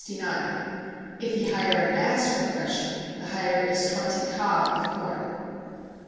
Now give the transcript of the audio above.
If he hire an ass for threshing, the hire is twenty ka of corn.